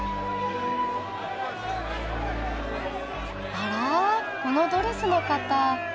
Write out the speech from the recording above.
あらこのドレスの方。